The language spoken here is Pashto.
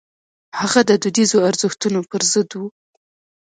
هغه د دودیزو ارزښتونو پر ضد و.